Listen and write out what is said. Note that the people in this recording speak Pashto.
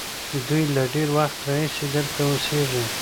دوی له ډېر وخت راهیسې دلته اوسېږي.